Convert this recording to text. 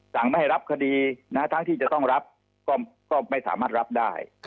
ไม่ให้รับคดีทั้งที่จะต้องรับก็ไม่สามารถรับได้